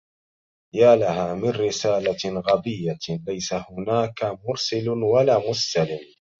يالها من رسالة غريبة! ليس هناك مرسل ولا مستلم.